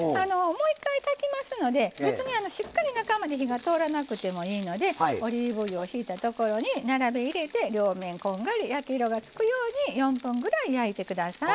もう一回炊きますので別にしっかり中まで火が通らなくてもいいのでオリーブ油をひいたところに並べ入れて両面こんがり焼き色がつくように４分ぐらい焼いてください。